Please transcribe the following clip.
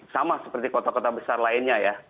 sama seperti kota kota lainnya